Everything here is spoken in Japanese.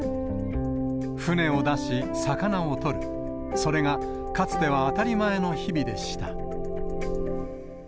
船を出し、魚を取る、それがかつては当たり前の日々でした。